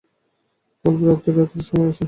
কাল প্রায় অর্ধরাত্রের সময়।